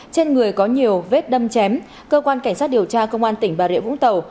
trên người có nhiều vết đâm chém cơ quan cảnh sát điều tra công an tỉnh bà rịa vũng tàu